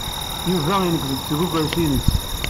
Yuba ineggez-d seg ukersi-ines.